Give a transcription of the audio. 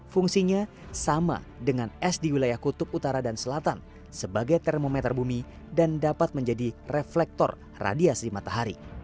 fungsinya sama dengan es di wilayah kutub utara dan selatan sebagai termometer bumi dan dapat menjadi reflektor radiasi matahari